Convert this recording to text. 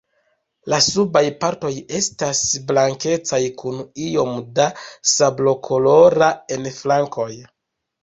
La subaj partoj estas blankecaj kun iom da sablokolora en flankoj.